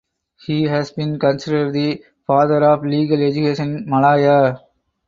He has been considered the "Father of Legal Education in Malaya".